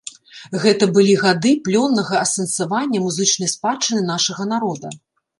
Гэта былі гады плённага асэнсавання музычнай спадчыны нашага народа.